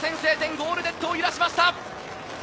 ゴールネットを揺らしました。